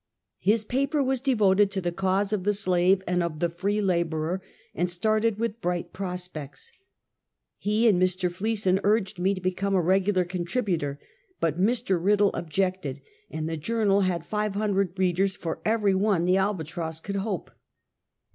His paper was devoted to the cause of the slave and of the free laborer, and started with bright prospects. He and Mr. Fleeson urged me to become a regular contributor, but Mr. Piddle objected, and the Journal had five hundred readers for every one the Albatross could hope.